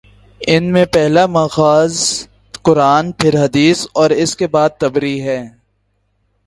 ان میں پہلا ماخذ قرآن، پھر حدیث اور اس کے بعد طبری ہیں۔